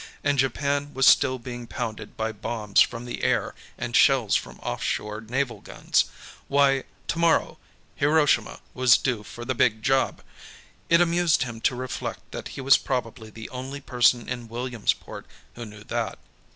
And Japan was still being pounded by bombs from the air and shells from off shore naval guns. Why, tomorrow, Hiroshima was due for the Big Job! It amused him to reflect that he was probably the only person in Williamsport who knew that.